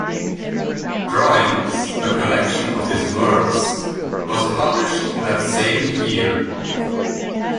"Drawings", a collection of his works, was published that same year.